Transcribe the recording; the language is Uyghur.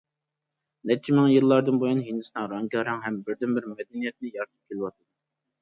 نەچچە مىڭ يىللاردىن بۇيان، ھىندىستان رەڭگارەڭ ھەم بىردىنبىر مەدەنىيەتنى يارىتىپ كېلىۋاتىدۇ.